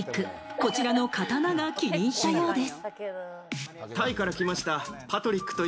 こちらの刀が気に入ったようです。